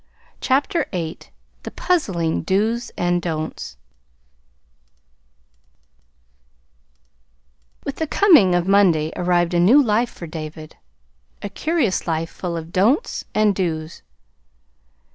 CHAPTER VIII THE PUZZLING "DOS" AND "DON'TS" With the coming of Monday arrived a new life for David a curious life full of "don'ts" and "dos."